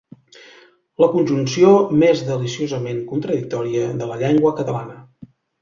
La conjunció més deliciosament contradictòria de la llengua catalana.